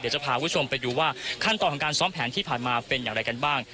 จะพาคุณผู้ชมไปดูว่าขั้นตอนของการซ้อมแผนที่ผ่านมาเป็นอย่างไรกันบ้าง